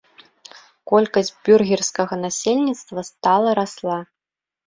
Колькасць бюргерскага насельніцтва стала расла.